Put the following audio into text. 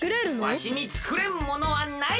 わしにつくれんものはない！